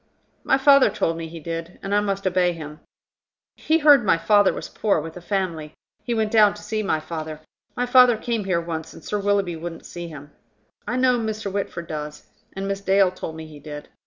"My father told me he did, and I must obey him. He heard my father was poor, with a family. He went down to see my father. My father came here once, and Sir Willoughby wouldn't see him. I know Mr. Whitford does. And Miss Dale told me he did.